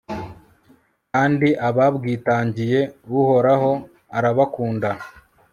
kandi ababwitangiye, uhoraho arabakunda